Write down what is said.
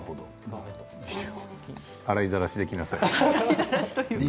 洗いざらしできなさい。